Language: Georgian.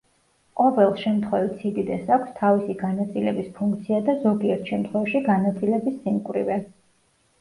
ყოველ შემთხვევით სიდიდეს აქვს თავისი განაწილების ფუნქცია და ზოგიერთ შემთხვევაში განაწილების სიმკვრივე.